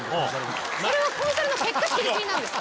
それはコンサルの結果チリチリなんですか？